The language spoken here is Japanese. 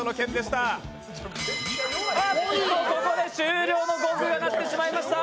おっと、ここで終了のゴングが鳴ってしまいました。